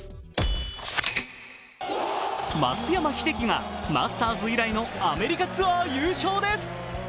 松山英樹がマスターズ以来のアメリカツアー優勝です。